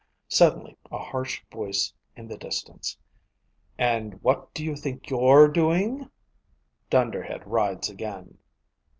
_ Suddenly a harsh voice in the distance: "And what do you think you're doing?" _Dunderhead rides again.